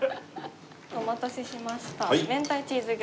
お待たせしました。